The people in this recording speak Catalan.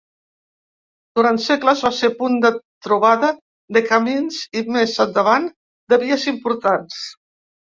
Durant segles va ser punt de trobada de camins i, més endavant, de vies importants.